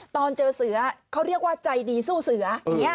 ตอนเจอเสือเขาเรียกว่าใจดีสู้เสืออย่างนี้